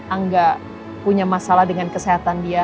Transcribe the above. angga punya masalah dengan kesehatan dia